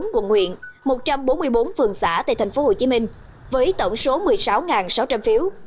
hai mươi bốn quận nguyện một trăm bốn mươi bốn phường xã tại tp hcm với tổng số một mươi sáu sáu trăm linh phiếu